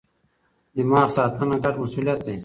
دماغ ساتنه ګډ مسئولیت دی.